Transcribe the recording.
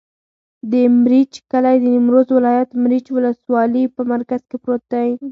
د مريچ کلی د نیمروز ولایت، مريچ ولسوالي په مرکز کې پروت دی.